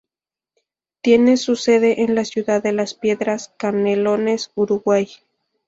Tiene su sede en la ciudad de Las Piedras, Canelones, Uruguay.